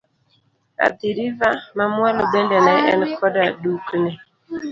Athi River ma mwalo bende ne en koda dukni.